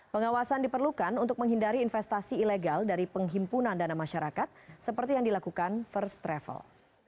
pengawasan diperlukan untuk menghindari investasi ilegal dari penghimpunan dana masyarakat seperti yang dilakukan first travel